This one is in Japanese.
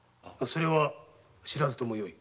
それは知らずともよい。